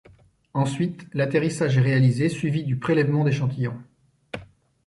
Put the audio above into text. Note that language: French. Ensuite, l'atterrissage est réalisé, suivi du prélèvement d'échantillons.